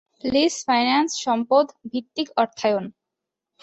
Lease finance সম্পদ ভিত্তিক অর্থায়ন।